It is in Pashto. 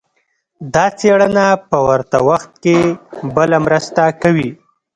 دا څېړنه په ورته وخت کې بله مرسته کوي.